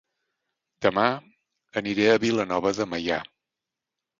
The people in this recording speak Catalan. Dema aniré a Vilanova de Meià